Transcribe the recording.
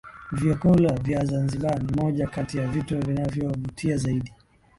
Vyakula vya Zanzibar ni moja Kati ya vitu vinavyovutia zaidi